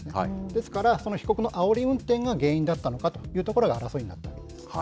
ですから、その被告のあおり運転が原因だったのかというところが争いになっています。